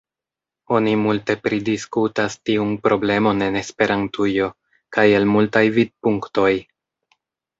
Oni multe pridiskutas tiun problemon en Esperantujo, kaj el multaj vidpunktoj.